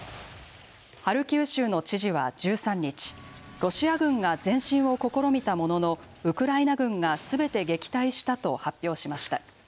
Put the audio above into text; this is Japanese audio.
ハルキウ州の知事は１３日ロシア軍が前進を試みたもののウクライナ軍がすべて撃退したと発表しました。